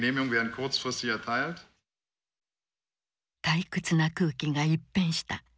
退屈な空気が一変した。